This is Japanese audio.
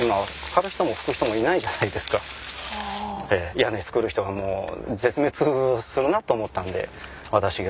屋根つくる人がもう絶滅するなって思ったんで私が。